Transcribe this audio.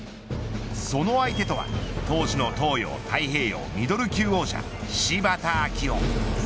その相手とは当時の東洋太平洋ミドル級王者柴田明雄。